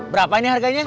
berapa ini harganya